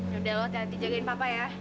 yaudah lo hati hati jagain papa ya